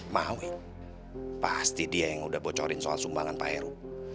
mau ya pasti dia yang udah bocorin soal sumbangan pak heru